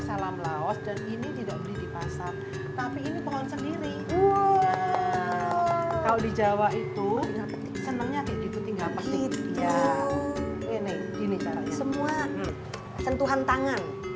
salam laos dan ini tidak beli di pasar tapi ini pohon sendiri wow kalau di jawa itu senangnya kayak gitu tinggal